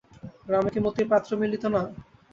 গ্রামে কি মতির পাত্র মিলিত না?